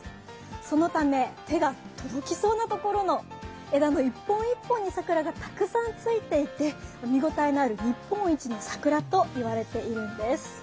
そのため手が届きそうなところの枝の１本１本に桜がたくさんついていて、見応えのある日本一の桜と言われているんです。